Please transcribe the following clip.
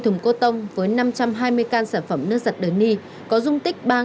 một trăm ba mươi thùng cô tông với năm trăm hai mươi can sản phẩm nước giặt dini có dung tích ba ml